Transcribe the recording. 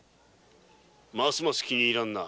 ますます気に入らんな。